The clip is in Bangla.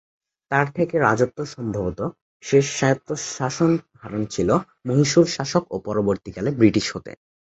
তার থেকে রাজত্ব সম্ভবত শেষ স্বায়ত্তশাসন হারান ছিল মহীশূর শাসক ও পরবর্তীকালে ব্রিটিশ হতে।